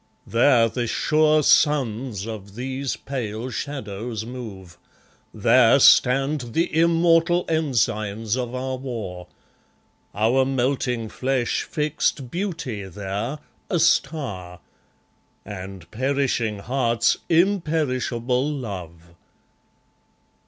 There the sure suns of these pale shadows move; There stand the immortal ensigns of our war; Our melting flesh fixed Beauty there, a star, And perishing hearts, imperishable Love.